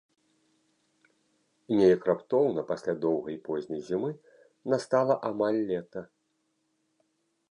Неяк раптоўна пасля доўгай позняй зімы настала амаль лета.